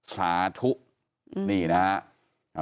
สาธุนี่นะฮะ